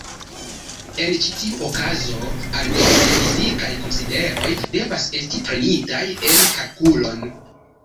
En ĉi tiu okazo aldonaj fizikaj konsideroj devas esti prenitaj en kalkulon.